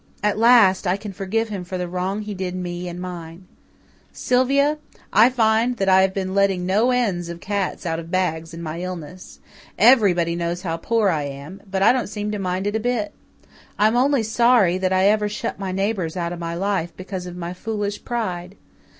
At last I can forgive him for the wrong he did me and mine. Sylvia, I find that I have been letting no ends of cats out of bags in my illness. Everybody knows now how poor I am but I don't seem to mind it a bit. I'm only sorry that I ever shut my neighbours out of my life because of my foolish pride.